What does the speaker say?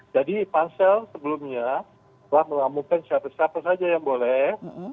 jadi pansel sebelumnya telah mengamukkan siapa siapa saja yang boleh